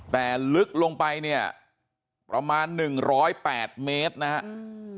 แต่ลึกลงไปเนี่ยประมาณ๑๐๘เมตรนะครับ